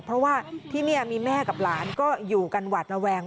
เพราะว่าที่นี่มีแม่กับหลานก็อยู่กันหวาดระแวง